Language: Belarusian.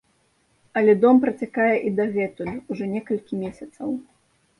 Але дом працякае і дагэтуль, ужо некалькі месяцаў.